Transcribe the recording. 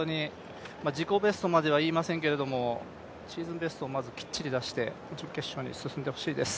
自己ベストまではいいませんけれどもシーズンベストをきっちり出して準決勝に進んでほしいです。